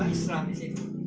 menerima islam di situ